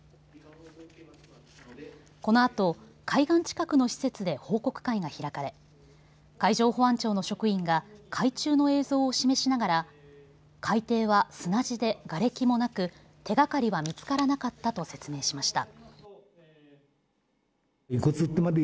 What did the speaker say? このあと、海岸近くの施設で報告会が開かれ海上保安庁の職員が海中の映像を示しながら海底は砂地でがれきもなく手がかりは見つからなかったと説明しました。